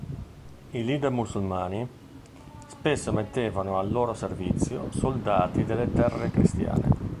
I leader musulmani spesso mettevano al loro servizio soldati delle terre cristiane.